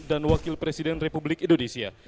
dan wakil presiden republik indonesia